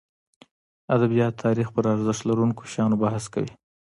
ادبیات تاریخ پرارزښت لرونکو شیانو بحث کوي.